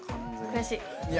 ◆悔しい。